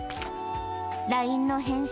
ＬＩＮＥの返信